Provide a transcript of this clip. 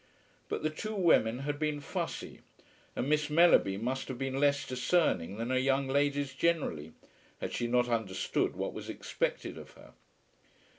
But the two women had been fussy, and Miss Mellerby must have been less discerning than are young ladies generally, had she not understood what was expected of her.